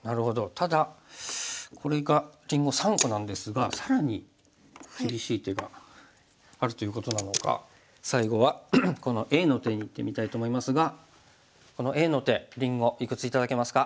ただこれがりんご３個なんですが更に厳しい手があるということなのか最後はこのＡの手にいってみたいと思いますがこのＡの手りんごいくつ頂けますか？